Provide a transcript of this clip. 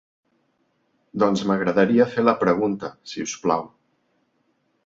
Doncs m'agradaria fer la pregunta, si us plau.